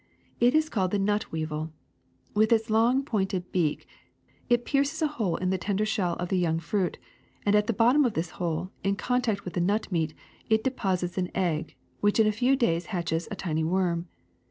It is called the nut weevil. With its long, pointed beak it pierces a hole in the tender shell of the young fruit, and at the bottom of this hole, in contact with the nut meat, it deposits an egg which in a few days hatches a tiny worm.